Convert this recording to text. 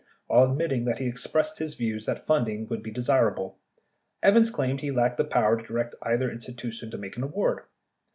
While admitting that he expressed his view that funding would be desirable, Evans claimed he lacked the power to direct either institu tion to make an award.